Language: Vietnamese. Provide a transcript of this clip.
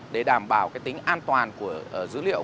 để đảm bảo cái tính an toàn của dữ liệu